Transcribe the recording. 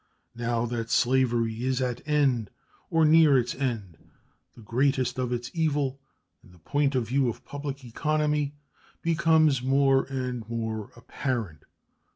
Now that slavery is at an end, or near its end, the greatness of its evil in the point of view of public economy becomes more and more apparent.